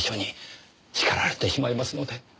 叱られてしまいますので。